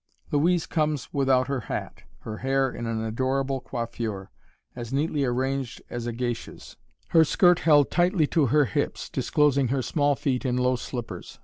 Louise comes without her hat, her hair in an adorable coiffure, as neatly arranged as a Geisha's, her skirt held tightly to her hips, disclosing her small feet in low slippers.